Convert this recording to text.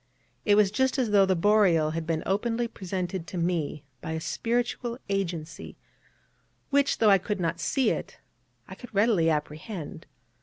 It was just as though the Boreal had been openly presented to me by a spiritual agency, which, though I could not see it, I could readily apprehend.